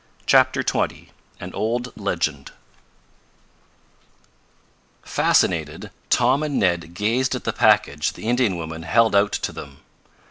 CHAPTER XX AN OLD LEGEND Fascinated, Tom and Ned gazed at the package the Indian woman held out to them.